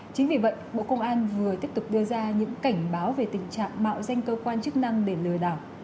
chính vì vậy bộ công an vừa tiếp tục đưa ra những cảnh báo về tình trạng mạo danh cơ quan chức năng để lừa đảo